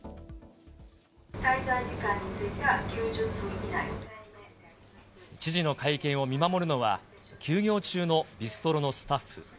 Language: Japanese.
滞在時間については９０分以知事の会見を見守るのは、休業中のビストロのスタッフ。